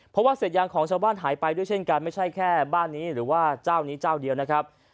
เพราะว่าเศษยางของชาวบ้านหายไปด้วยเช่นกันไม่ใช่แค่บ้านนี้หรือว่าเจ้านี้เจ้าเดียวนะครับ